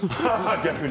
逆に。